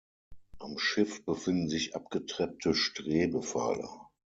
Am Schiff befinden sich abgetreppte Strebepfeiler.